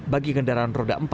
bagi kendaraan roda